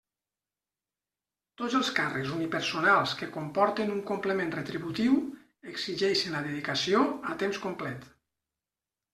Tots els càrrecs unipersonals que comporten un complement retributiu exigeixen la dedicació a temps complet.